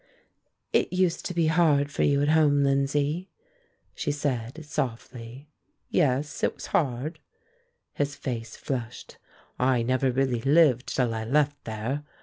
"It used to be hard for you at home, Lindsay," she said, softly. "Yes, it was hard." His face flushed. "I never really lived till I left there.